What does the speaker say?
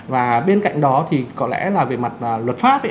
và bên cạnh đó thì có lẽ là về mặt luật pháp